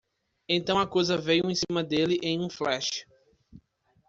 Então a coisa veio em cima dele em um flash.